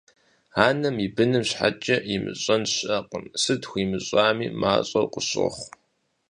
Анэм и быным щхьэкӀэ имыщӀэн щыӀэкъым, сыт хуимыщӀами, мащӀэу къыщохъу.